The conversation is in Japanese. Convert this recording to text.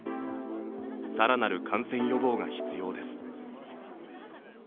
更なる感染予防が必要です。